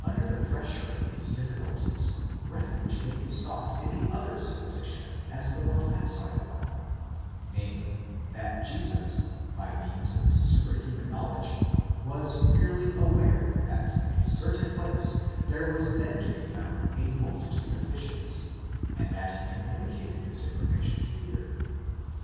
Under the pressure of these difficulties, refuge may be sought in the other supposition as the more facile one; namely, that Jesus, by means of his super human knowledge, was merely aware that in a certain place there was then to be found a multitude of fishes, and that he communicated this information to Peter.